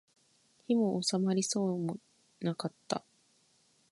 火も納まりそうもなかった